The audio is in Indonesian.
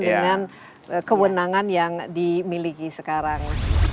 dengan kewenangan yang dimiliki sekarang